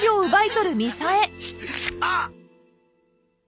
あっ！